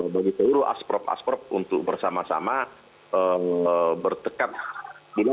bagi seluruh as prop as prop untuk bersama sama bertekad